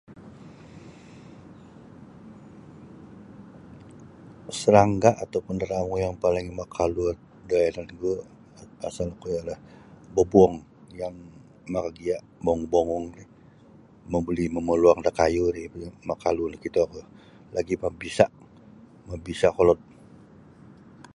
Serangga atau [unintelligible] yang paling makalu da yanan ku [unintelligible] babuong yang maka gia bong bong yang buli mamaluang da kayu ri nakito ku lagi pun bisa mabisa kolod.